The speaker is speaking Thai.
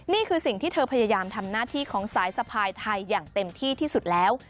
นี่คือสิ่งที่เธอพยายามทำหน้าที่ของสายสะพายไทยอย่างเต็มที่ที่สุดแล้ว